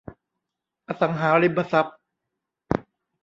อสังหาริมทรัพย์